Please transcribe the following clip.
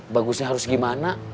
bagusnya harus gimana